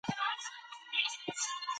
حتی چې هالته خپل وطنونو کې به یې زده کړې وي